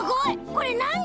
これなに？